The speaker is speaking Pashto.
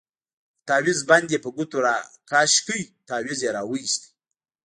د تاويز بند يې په ګوتو راكښ كړ تاويز يې راوايست.